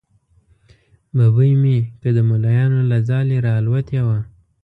ببۍ مې که د مولیانو له ځالې را الوتې وه.